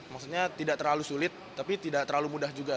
maksudnya tidak terlalu sulit tapi tidak terlalu mudah juga